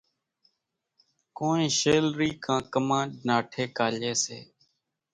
ڪونئين شيلرِي ڪان ڪمانج نا ٺيڪا ليئيَ سي۔